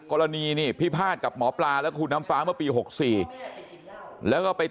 กรณีนี่พิพาทกับหมอปลาและคุณน้ำฟ้าเมื่อปี๖๔แล้วก็ไป